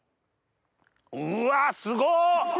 うわすごっ！